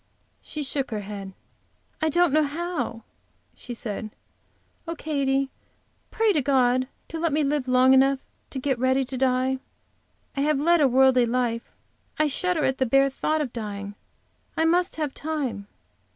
She shook her head. "I don't know how," she said. "Oh, Katy, pray to God to let me live long enough to get ready to die. I have led a worldly life. I shudder at the bare thought of dying; I must have time."